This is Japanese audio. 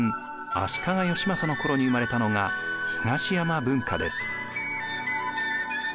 足利義政の頃に生まれたのが東山文化です。